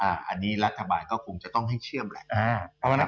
อันนี้รัฐบาลก็คงจะต้องให้เชื่อมแหละ